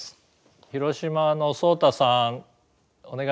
広島のそうたさんお願いします。